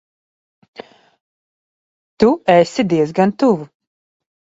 Tu esi diezgan tuvu.